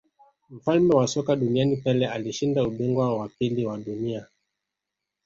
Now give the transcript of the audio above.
mfalme wa soka duniani Pele alishinda ubingwa wa pili wa dunia